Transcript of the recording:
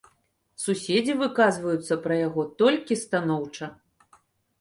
Суседзі выказваюцца пра яго толькі станоўча.